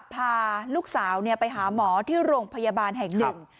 พาลูกสาวไปหาหมอที่โรงพยาบาลแห่งหนึ่ง